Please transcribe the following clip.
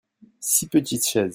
six petites chaises.